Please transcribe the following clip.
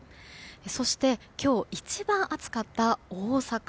そして、今日一番暑かった大阪。